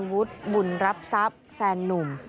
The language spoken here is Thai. วุฒิทันวุดบุญรับทรัพย์แฟนนุ่ม